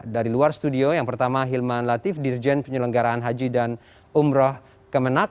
dari luar studio yang pertama hilman latif dirjen penyelenggaraan haji dan umroh kemenang